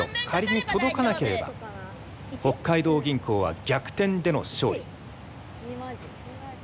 仮に届かなければ北海道銀行は逆転での勝利。